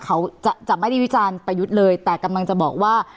เขาจะไม่ได้วิจารณ์ประยุทธ์เลยแต่กำลังจะบอกว่า